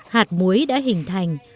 hạt muối đã hình thành